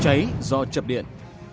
cháy do chập điện